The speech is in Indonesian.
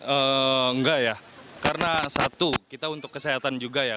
enggak ya karena satu kita untuk kesehatan juga ya